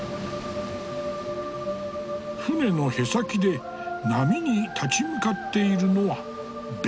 船のへさきで波に立ち向かっているのは弁慶だ。